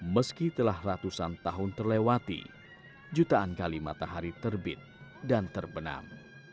meski telah ratusan tahun terlewati jutaan kali matahari terbit dan terbenam